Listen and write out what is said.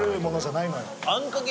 あんかけ。